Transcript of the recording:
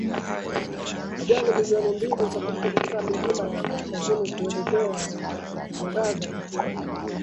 Majani milioni mbili husafiri kutoka milima ya kaskazini kuelekea nyandaza kusini